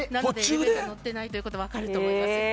乗ってないということが分かると思います。